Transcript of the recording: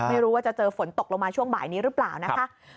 ไม่รู้ว่าจะเจอฝนตกลงมาช่วงบ่ายนี้หรือเปล่านะคะ